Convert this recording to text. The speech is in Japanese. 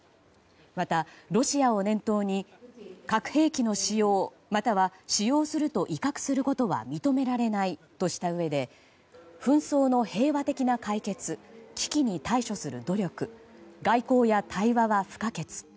また、ロシアを念頭に核兵器の使用または使用すると威嚇することは認められないとしたうえで紛争の平和的な解決危機に対処する努力外交や対話は不可欠。